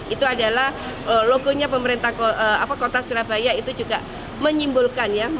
itu adalah logonya pemerintah kota surabaya itu juga menyimbolkan